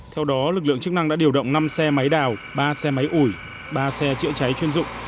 theo đó lực lượng chức năng đã điều động năm xe máy đào ba xe máy ủi ba xe chữa cháy chuyên dụng